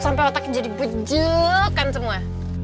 sampai otaknya jadi bujuk kan semua